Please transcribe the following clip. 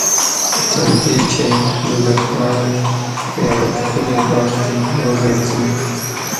تر دې چې د دښمن سره په یوه ښکلي باغ کې وګرځي.